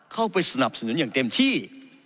เข้าไปสนับสนุนอย่างเต็มที่